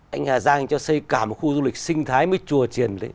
anh hà giang cho xây cả một khu du lịch sinh thái mới chùa triền